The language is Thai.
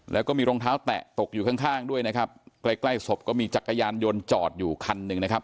แล้วก็มีรองเท้าแตะตกอยู่ข้างข้างด้วยนะครับใกล้ใกล้ศพก็มีจักรยานยนต์จอดอยู่คันหนึ่งนะครับ